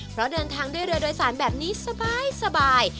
เพราะเดินทางด้วยเรือโดยสารแบบนี้สบาย